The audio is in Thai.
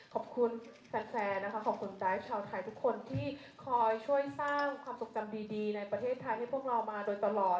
ขอบคุณแฟนนะคะขอบคุณใจชาวไทยทุกคนที่คอยช่วยสร้างความทรงจำดีในประเทศไทยให้พวกเรามาโดยตลอด